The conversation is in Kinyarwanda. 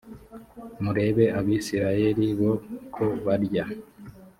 murebe abisirayeli bo ko barya